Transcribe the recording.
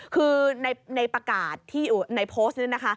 คือในประกาศในโพสต์นี้นะคะ